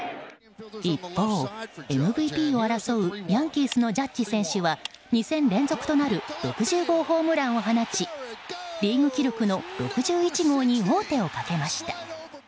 一方、ＭＶＰを争うヤンキースのジャッジ選手は２戦連続となる６０号ホームランを放ちリーグ記録の６１号に王手をかけました。